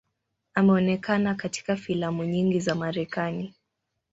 Ameonekana katika filamu nyingi za Marekani.